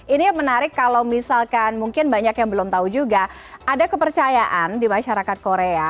ini menarik kalau misalkan mungkin banyak yang belum tahu juga ada kepercayaan di masyarakat korea